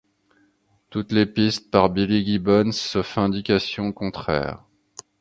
Toutes les pistes par Billy Gibbons sauf indication contraire.